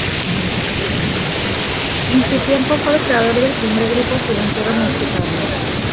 En su tiempo, fue el creador del primer grupo financiero mexicano.